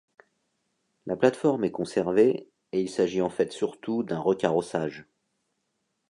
La plate-forme est conservée et il s'agit en fait surtout d'un recarrossage.